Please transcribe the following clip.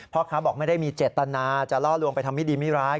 พ่อค้าบอกไม่ได้มีเจตนาจะล่อลวงไปทำไม่ดีไม่ร้าย